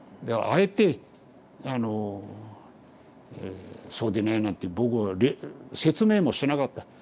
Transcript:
だからあえてあのそうでないなんて僕は説明もしなかった。